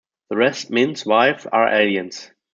The rest men's wives are aliens.